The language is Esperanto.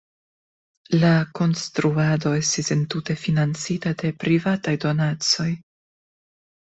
La konstruado estis entute financita de privataj donacoj.